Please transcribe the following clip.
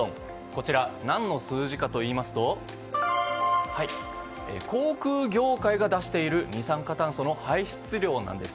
こちら、何の数字かといいますと航空業界が出している二酸化炭素の排出量なんです。